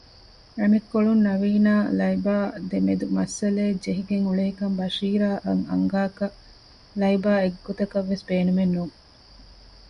އަނެއްކޮޅުން ނަވީނާއި ލައިބާ ދެމެދު މައްސަލައެއް ޖެހިގެން އުޅޭކަން ބަޝީރާއަށް އަންގާކަށް ލައިބާއެއް ގޮތަކަށްވެސް ބޭނުމެއް ނޫން